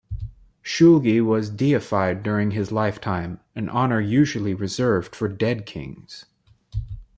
Shulgi was deified during his lifetime, an honor usually reserved for dead kings.